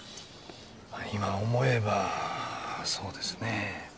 まあ今思えばそうですね。